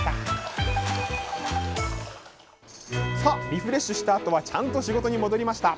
リフレッシュしたあとちゃんと仕事に戻りました。